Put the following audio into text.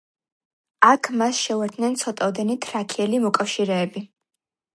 აქ მას შეუერთდნენ ცოტაოდენი თრაკიელი მოკავშირეები.